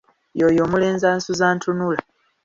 Yoyo omulenzi ansuza ntunula!